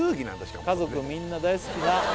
しかも「家族みんな大好きな」